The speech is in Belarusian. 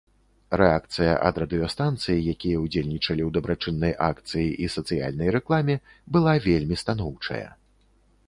Рэакцыя ад радыёстанцый, якія ўдзельнічалі ў дабрачыннай акцыі і сацыяльнай рэкламе, была вельмі станоўчая.